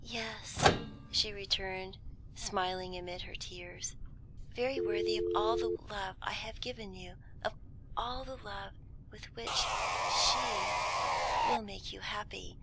"Yes," she returned, smiling amid her tears, "very worthy of all the love I have given you, and of the love with which she will make you happy.